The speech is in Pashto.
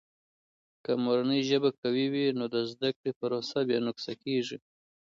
که مورنۍ ژبه قوي وي، نو د زده کړې پروسه بې نقصه کیږي.